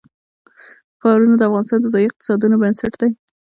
ښارونه د افغانستان د ځایي اقتصادونو بنسټ دی.